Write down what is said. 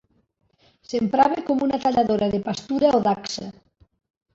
S'emprava com una talladora de pastura o dacsa.